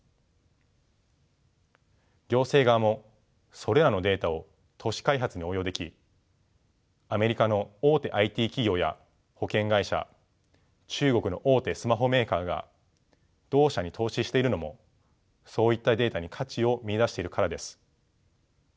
行政側もそれらのデータを都市開発に応用できアメリカの大手ＩＴ企業や保険会社中国の大手スマホメーカーが同社に投資しているのもそういったデータに価値を見いだしているからです。